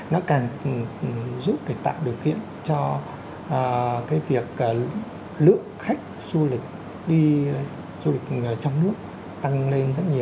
nó càng giúp để tạo điều kiện cho cái việc lượng khách du lịch đi du lịch trong nước tăng lên rất nhiều